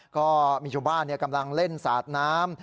ก็มีชาวบ้านกำลังเล่นสาดน้ำ